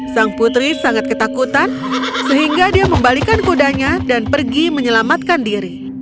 sang putri sangat ketakutan sehingga dia membalikan kudanya dan pergi menyelamatkan diri